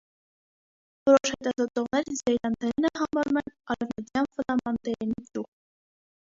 Որոշ հետազոտողներ զեյլանդերենը համարում են արևմտյան ֆլամանդերենի ճյուղ։